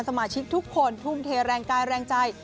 สมาชิกทุกคนทุ่มเทแรงกายแรงใจ